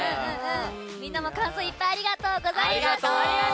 みんなも感想いっぱいありがとうございました。